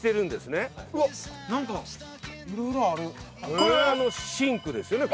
これはシンクですよね。